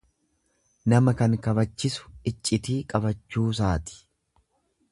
Nama kan kabachisu iccitii qabachuusaati.